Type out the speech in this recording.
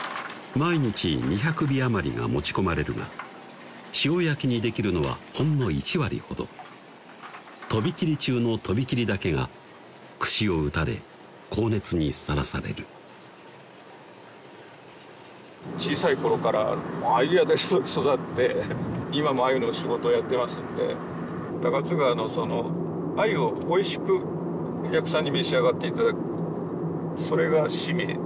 毎日２００尾余りが持ち込まれるが塩焼きにできるのはほんの１割ほどとびきり中のとびきりだけが串を打たれ高熱にさらされる小さい頃から鮎屋で育って今も鮎の仕事やってますんで高津川のその鮎をおいしくお客さんに召し上がっていただくそれが使命